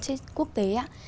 trên quốc tế ạ